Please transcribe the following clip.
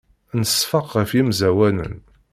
Nseffeq ɣef yemẓawanen.